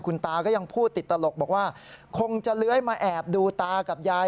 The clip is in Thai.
คุณตาก็ยังพูดติดตลกบอกว่าคงจะเลื้อยมาแอบดูตากับยาย